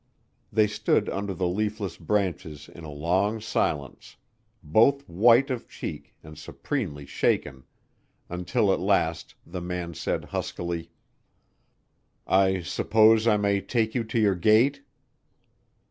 They stood under the leafless branches in a long silence, both white of cheek and supremely shaken, until at last the man said huskily: "I suppose I may take you to your gate?"